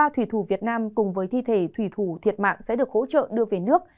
ba thủy thủ việt nam cùng với thi thể thủy thủ thiệt mạng sẽ được hỗ trợ đưa về nước